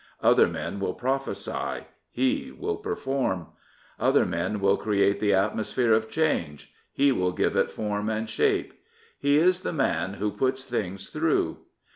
Other men will prophesy; he will perform. Other men will create the atmosphere of change; he will give it form and shape. He is the man who " puts things through.''